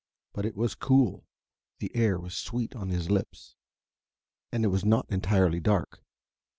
But it was cool; the air was sweet on his lips. And it was not entirely dark.